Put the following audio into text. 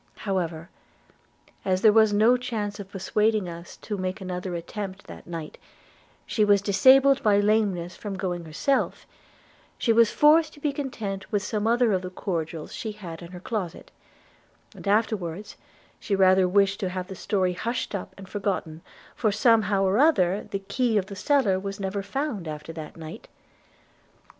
However, as there was no chance of persuading us to make another attempt that night, and she was disabled by lameness from going herself, she was forced to be content with some other of the cordials she had in her closet; and afterwards she rather wished to have the story hushed up and forgotten, for somehow or other that key of the cellar was never found after that night.